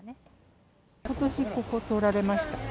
ことし、ここを通られました。